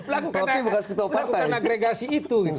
lakukan agregasi itu